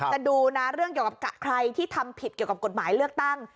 จะดูนะเรื่องเกี่ยวกับใครที่ทำผิดเกี่ยวกับกฎหมายเลือกตั้ง